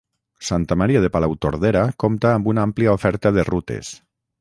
Santa Maria de Palautordera compta amb una àmplia oferta de rutes